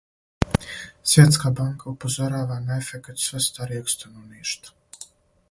Свјетска банка упозорава на ефекат све старијег становништва